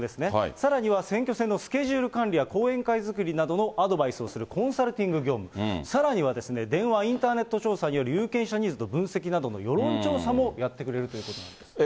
さらには選挙戦のスケジュール管理や、後援会作りなどのアドバイスをするコンサルティング業務、さらには電話、インターネット調査による有権者ニーズの分析などの世論調査もやってくれるということなんです。